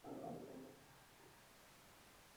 د غرمې لمونځ روح ته سکون ورکوي